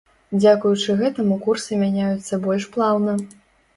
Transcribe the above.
Дзякуючы гэтаму курсы мяняюцца больш плаўна.